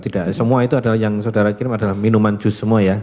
tidak semua itu adalah yang saudara kirim adalah minuman jus semua ya